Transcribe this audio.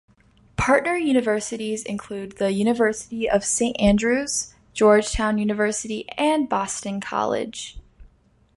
Partner universities include the University of Saint Andrews, Georgetown University and Boston College.